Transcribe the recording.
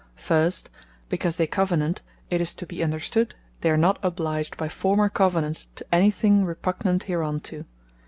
First, because they Covenant, it is to be understood, they are not obliged by former Covenant to any thing repugnant hereunto.